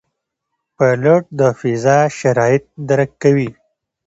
پیلوټ د فضا شرایط درک کوي.